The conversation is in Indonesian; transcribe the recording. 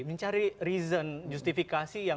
mencari reason justifikasi yang